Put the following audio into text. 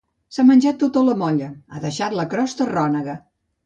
S'ha menjat tota la molla, ha deixat la crosta rònega.